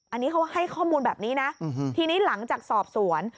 อันนี้เขาให้ข้อมูลแบบนี้นะทีนี้หลังจากสอบสวน